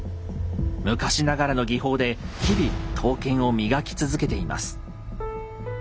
昔ながらの技法で日々刀剣を磨き続けています。